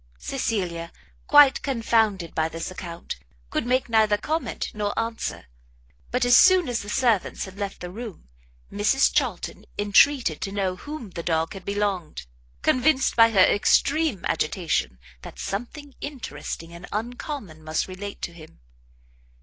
Cecilia, quite confounded by this account, could make neither comment nor answer; but, as soon as the servants had left the room, Mrs Charlton entreated to know to whom the dog had belonged, convinced by her extreme agitation, that something interesting and uncommon must relate to him.